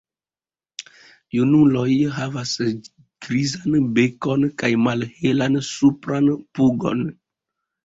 Junuloj havas grizan bekon kaj malhelan supran pugon.